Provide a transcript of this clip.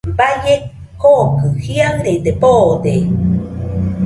Baie kokɨ jiaɨre boode.